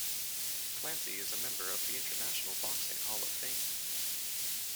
Clancy is a member of the International Boxing Hall of Fame.